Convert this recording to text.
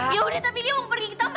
yaudah tapi lia mau pergi ke tamu